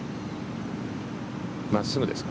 真っすぐですか？